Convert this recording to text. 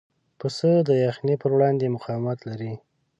پسه د یخنۍ پر وړاندې مقاومت لري.